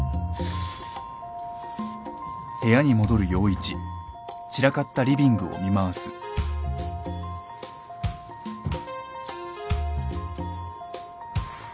うん。